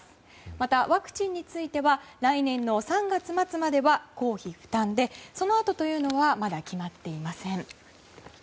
また、ワクチンについては来年の３月末までは公費負担でそのあとというのはまだ決まっていません。